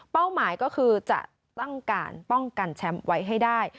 หมายก็คือจะตั้งการป้องกันแชมป์ไว้ให้ได้